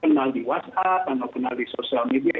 kenal di whatsapp atau kenal di sosial media